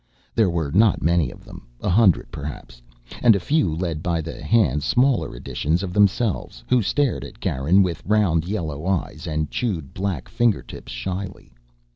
There were not many of them a hundred perhaps. And a few led by the hand smaller editions of themselves, who stared at Garin with round yellow eyes and chewed black fingertips shyly.